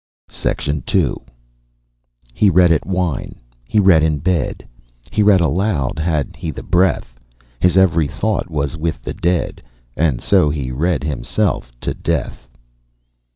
II "_He read at wine, he read in bed, He read aloud, had he the breath, His every thought was with the dead, And so he read himself to death.